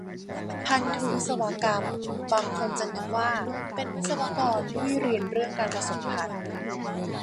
พันธุวิศวกรรม บางคนจะนึกว่าเป็นวิศวกรที่เรียนเรื่องการผสมพันธุ์